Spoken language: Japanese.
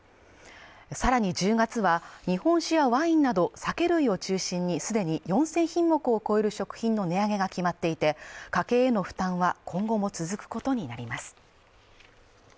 さらに１０月は日本酒やワインなど酒類を中心にすでに４０００品目を超える食品の値上げが決まっていて家計への負担は今後も続くことになります